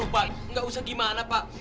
pak nggak usah gimana pak